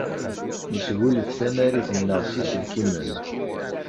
Nesgulef tanarit-nneɣ s yiselkimen.